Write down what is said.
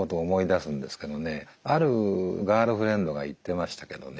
あるガールフレンドが言ってましたけどね。